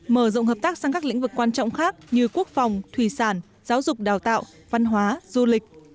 mở rộng hợp tác sang các lĩnh vực quan trọng khác như quốc phòng thủy sản giáo dục đào tạo văn hóa du lịch